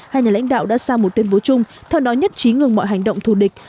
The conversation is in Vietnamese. hai nhà lãnh đạo đã sang một tuyên bố chung theo đó nhất trí ngừng mọi hành động thù địch